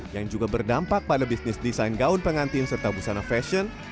yang juga berdampak pada bisnis desain gaun pengantin serta busana fashion